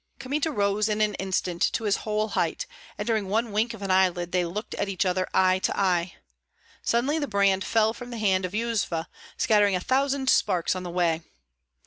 Kmita rose in an instant to his whole height, and during one wink of an eyelid they looked at each other eye to eye. Suddenly the brand fell from the hand of Yuzva, scattering a thousand sparks on the way.